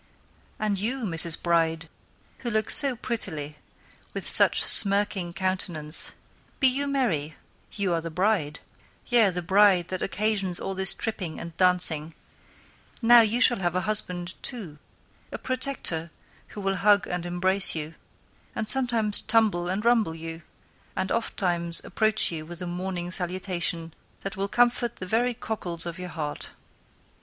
And you, M^{rs}. Bride, who look so prettily, with such a smirking countenance; be you merry, you are the Bride; yea the Bride that occasions all this tripping and dansing; now you shall have a husband too, a Protector, who will hug and imbrace you, and somtimes tumble and rumble you, and oftimes approach to you with a morning salutation, that will comfort the very cockles of your heart.